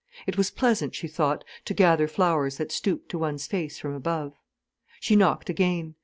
It was pleasant, she thought, to gather flowers that stooped to one's face from above. She knocked again.